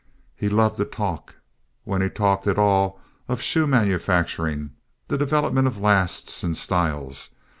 He loved to talk, when he talked at all, of shoe manufacturing, the development of lasts and styles.